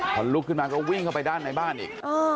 พอลุกขึ้นมาก็วิ่งเข้าไปด้านในบ้านอีก